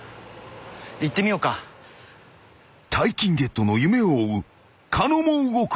［大金ゲットの夢を追う狩野も動く］